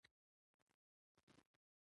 ادارې باید د شخصي نفوذ څخه خوندي وي